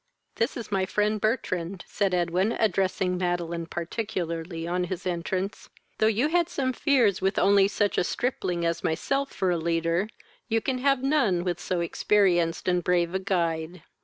"This is my friend Bertrand, (said Edwin, addressing Madeline particularly on his entrance;) though you had some fears with only such a stripling as myself for a leader, you can have none with so experienced and brave a guide."